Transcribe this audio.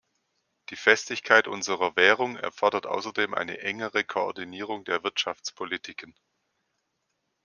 Die Festigkeit unserer Währung erfordert außerdem eine engere Koordinierung der Wirtschaftspolitiken.